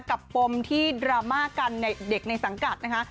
ปมที่ดราม่ากันในเด็กในสังกัดนะคะ